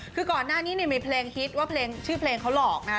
คือก่อนหน้านี้มีเพลงฮิตว่าชื่อเพลงเขาหลอกนะฮะ